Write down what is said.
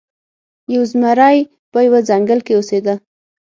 یو زمری په یوه ځنګل کې اوسیده.